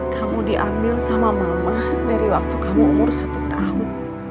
kamu diambil sama mama dari waktu kamu umur satu tahun